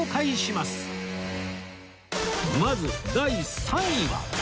まず第３位は